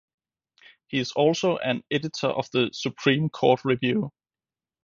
He is also an editor of the "Supreme Court Review".